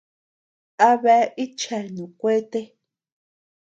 ¿A bea itcheanu kuete?